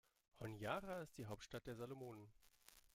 Honiara ist die Hauptstadt der Salomonen.